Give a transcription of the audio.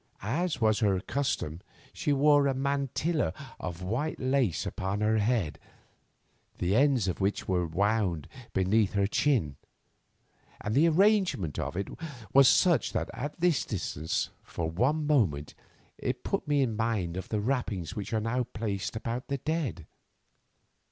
As was her custom, she wore a mantilla of white lace upon her head, the ends of which were wound beneath her chin, and the arrangement of it was such that at this distance for one moment it put me in mind of the wrappings which are placed about the dead.